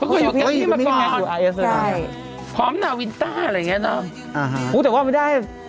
เค้าเคยอยู่กันอย่างนี้มาก่อนพร้อมนาวินทร์อะไรอย่างนี้เนอะอื้อแต่ว่าไม่ได้